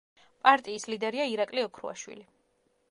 პარტიის ლიდერია ირაკლი ოქრუაშვილი.